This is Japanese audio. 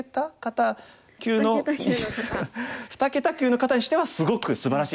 二桁級の方にしてはすごくすばらしい手。